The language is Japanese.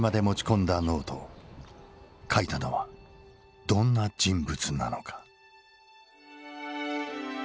書いたのはどんな人物なのか。